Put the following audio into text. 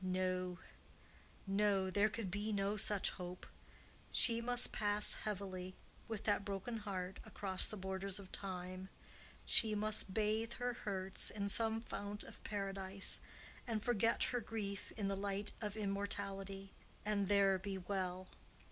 No, no; there could be no such hope. She must pass heavily, with that broken heart, across the borders of Time—she must bathe her hurts in some fount of paradise, and forget her grief in the light of immortality, and THERE be well.